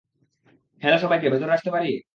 Hello সবাইকে, ভেতরে আসতে পারি?